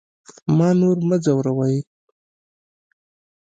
ما نور مه ځوروئ